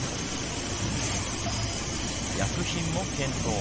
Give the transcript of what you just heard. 薬品も検討。